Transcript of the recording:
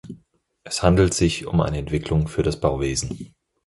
Es handelt sich um eine Entwicklung für das Bauwesen.